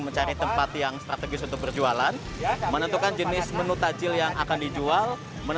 mencari tempat yang strategis untuk berjualan menentukan jenis menu tajil yang akan dijual